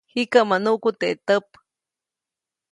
Jikäʼmä nuʼku teʼ täp.